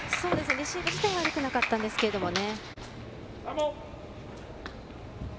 レシーブ自体は悪くなかったんですけどね。